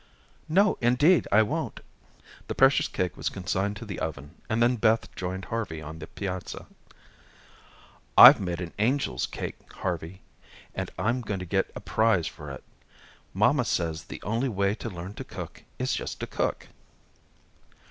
"No, indeed, I won't." The precious cake was consigned to the oven, and then Beth joined Harvey on the piazza. "I've made an angel's cake, Harvey, and I'm going to get a prize for it. Mamma says the only way to learn to cook is just to cook."